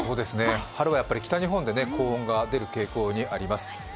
春はやっぱり北日本で高温が出る傾向にあります。